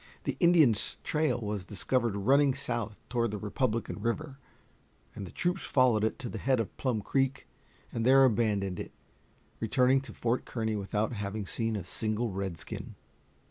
The Indians' trail was discovered running south toward the Republican River, and the troops followed it to the head of Plum Creek, and there abandoned it, returning to Fort Kearny without having seen a single redskin.